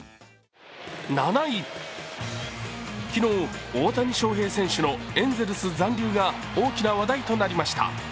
７位、昨日、大谷翔平選手のエンゼルス残留が大きな話題となりました。